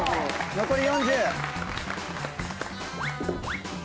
残り２０。